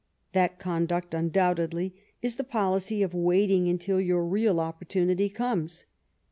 That conduct undoubtedly is the policy of waiting until your real opportunity comes.